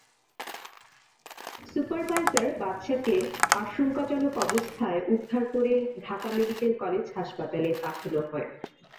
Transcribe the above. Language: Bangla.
সুপারভাইজার বাদশাকে আশঙ্কাজনক অবস্থায় উদ্ধার করে ঢাকা মেডিকেল কলেজ হাসপাতালে পাঠানো হয়।